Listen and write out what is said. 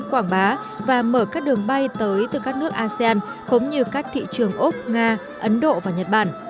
quảng bá và mở các đường bay tới từ các nước asean cũng như các thị trường úc nga ấn độ và nhật bản